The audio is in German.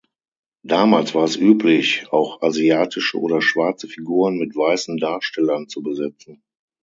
Damals war es üblich, auch asiatische oder schwarze Figuren mit weißen Darstellern zu besetzen.